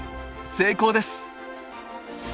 成功です！